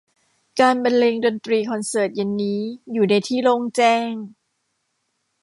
การบรรเลงดนตรีคอนเสิร์ตเย็นนี้อยู่ในที่โล่งแจ้ง